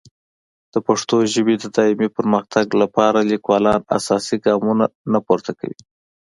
د پښتو ژبې د دایمي پرمختګ لپاره لیکوالان اساسي ګامونه نه پورته کوي.